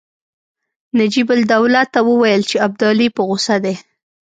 نجیب الدوله ته وویل چې ابدالي په غوسه دی.